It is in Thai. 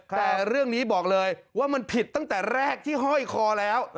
แต่เรื่องนี้บอกเลยว่ามันผิดตั้งแต่แรกที่ห้อยคอแล้ว